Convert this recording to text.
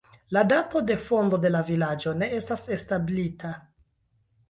La dato de fondo de la vilaĝo ne estas establita.